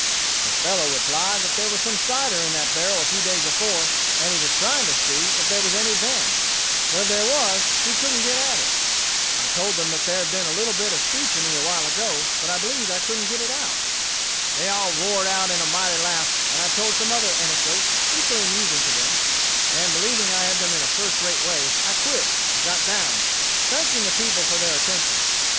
The fellow replied that there was some cider in that barrel a few days before, and he was trying to see if there was any then; but if there was, he couldn't get at it. I told them that there had been a little bit of a speech in me a while ago, but I believed I couldn't get it out. "They all roared out in a mighty laugh, and I told some other anecdotes, equally amusing to them, and believing I had them in a first rate way, I quit and got down, thanking the people for their attention.